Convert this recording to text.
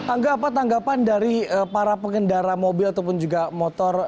angga apa tanggapan dari para pengendara mobil ataupun juga motor